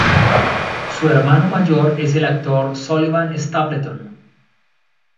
Su hermano mayor es el actor Sullivan Stapleton.